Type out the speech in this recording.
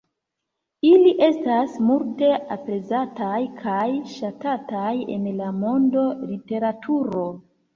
Ili estas multe aprezataj kaj ŝatataj en la monda literaturo.